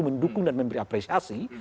mendukung dan memberi apresiasi